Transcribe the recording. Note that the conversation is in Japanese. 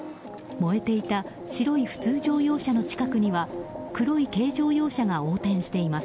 燃えていた白い普通乗用車の近くには黒い軽乗用車が横転しています。